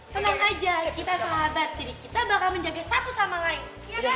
tenang aja kita sahabat jadi kita bakal menjaga satu sama lain